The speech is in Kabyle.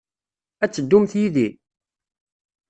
Ad teddumt yid-i?